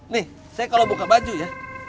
nih saya kalau buka baju ya